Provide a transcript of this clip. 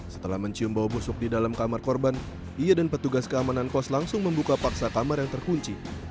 setelah mencium bau busuk di dalam kamar korban ia dan petugas keamanan kos langsung membuka paksa kamar yang terkunci